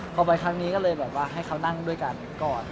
พอไปครั้งนี้ก็เลยแบบว่าให้เขานั่งด้วยกันก่อน